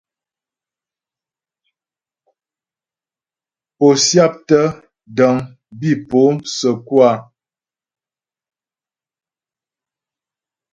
Pó syáptə́ dəŋ bi pó səkú a ?